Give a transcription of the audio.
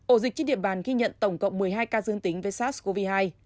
ổ dịch trên địa bàn ghi nhận tổng cộng một mươi hai ca dương tính với sars cov hai